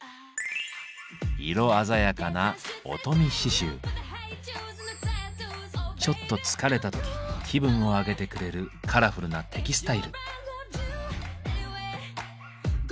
色鮮やかなちょっと疲れた時気分を上げてくれるカラフルなテキスタイル。